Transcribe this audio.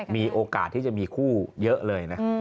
มีโอกาสที่จะมีคู่เยอะเลยนะ